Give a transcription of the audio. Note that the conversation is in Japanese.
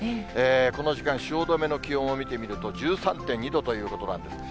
この時間、汐留の気温を見てみると、１３．２度ということなんです。